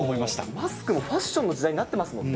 マスクもファッションの時代になってますもんね。